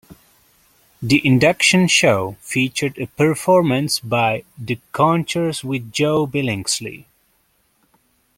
The induction show featured a performance by "the Contours with Joe Billingslea".